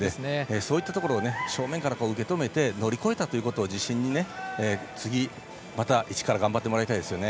そういったところを正面から受け止めて乗り越えたことを自信に、次、また一から頑張ってもらいたいですね。